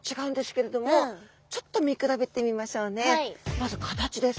まず形です。